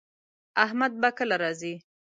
احمد به کله راځي